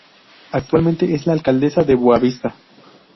Actualmente es la alcaldesa de Boa Vista.